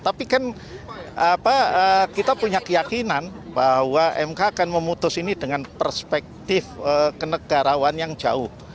tapi kan kita punya keyakinan bahwa mk akan memutus ini dengan perspektif kenegarawan yang jauh